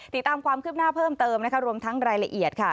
ติดตามความคืบหน้าเพิ่มเติมนะคะรวมทั้งรายละเอียดค่ะ